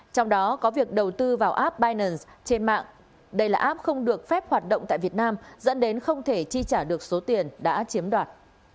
trong đó có việc đầu tư vào appynaons trên mạng đây là app không được phép hoạt động tại việt nam dẫn đến không thể chi trả được số tiền đã chiếm đoạt